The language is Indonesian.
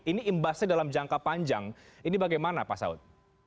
ini imbasnya dalam jangka panjang ini bagaimana pak saud